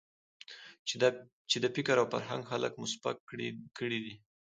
چې د فکر او فرهنګ خلک مو سپک کړي دي.